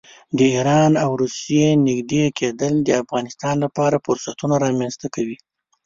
د ایران او روسیې نږدې کېدل د افغانستان لپاره فرصتونه رامنځته کوي.